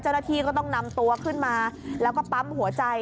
เจ้าหน้าที่ก็ต้องนำตัวขึ้นมาแล้วก็ปั๊มหัวใจ